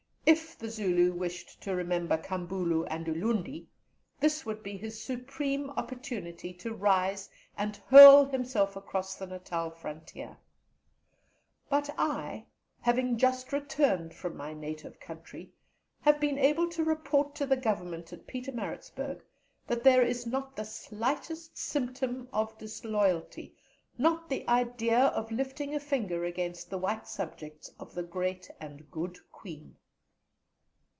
If the Zulu wished to remember Kambula and Ulundi, this would be his supreme opportunity to rise and hurl himself across the Natal frontier. But I, having just returned from my native country, have been able to report to the Government at Pietermaritzburg that there is not the slightest symptom of disloyalty, not the idea of lifting a finger against the white subjects of the great and good Queen.